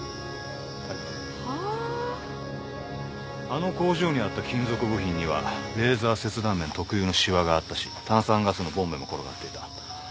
あの工場にあった金属部品にはレーザー切断面特有のしわがあったし炭酸ガスのボンベも転がっていた。